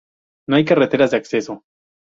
No hay carreteras de acceso.